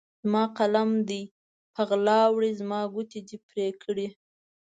زما قلم دې په غلا وړی، زما ګوتې دي پرې کړي